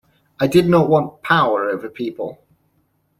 I did not want power over people.